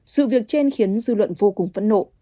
sự việc trên khiến dư luận vô cùng phẫn nộ